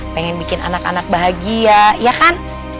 pengen bikin anak anak bahagia ya kan